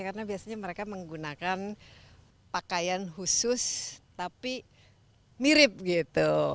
karena biasanya mereka menggunakan pakaian khusus tapi mirip gitu